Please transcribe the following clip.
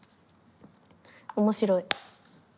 面白い。